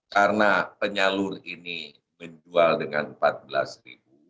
karena penyalur ini menjual dengan rp empat belas